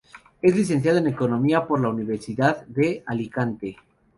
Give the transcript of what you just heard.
Es licenciado en Economía por la Universidad de Alicante.